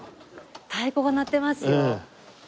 太鼓が鳴ってますよ。